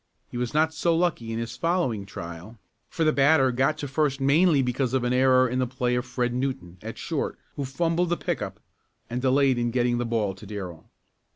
He was not so lucky in his following trial, for the batter got to first mainly because of an error in the play of Fred Newton, at short, who fumbled the pick up and delayed in getting the ball to Darrell.